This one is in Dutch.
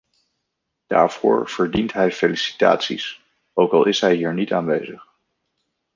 Daarvoor verdient hij felicitaties, ook al is hij hier niet aanwezig.